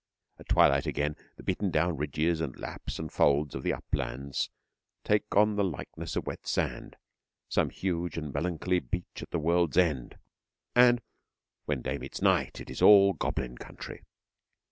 At twilight, again, the beaten down ridges and laps and folds of the uplands take on the likeness of wet sand some huge and melancholy beach at the world's end and when day meets night it is all goblin country.